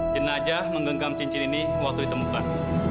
jenajah menggenggam cincin ini waktu ditemukan